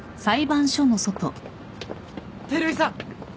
・照井さん！